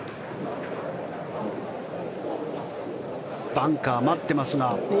バンカー待ってますが。